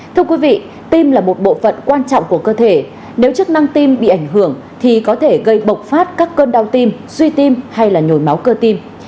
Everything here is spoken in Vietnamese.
thưa quý vị tim là một bộ phận quan trọng của cơ thể nếu chức năng tim bị ảnh hưởng thì có thể gây bộc phát các cơn đau tim suy tim hay nhồi máu cơ tim